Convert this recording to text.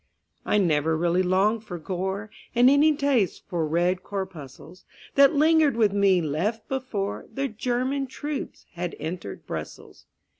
I never really longed for gore, And any taste for red corpuscles That lingered with me left before The German troops had entered Brussels.